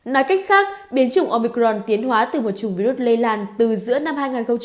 nói cách khác biến chủng omicron tiến hóa từ một chủng virus lây lan từ giữa năm hai nghìn một mươi chín